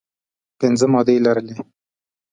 پنځه مادې لرلې.